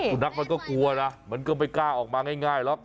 มันก็กลัวนะมันก็ไม่กล้าออกมาง่ายหรอก